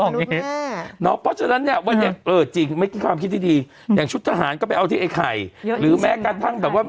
เนาะพ่อฉะนั้นอ่ะว่าเด็กจริงไม่คิดที่ดีอย่างชุดทหารก็ไปเอาใครหรือแม่กระทั่งแบบว่า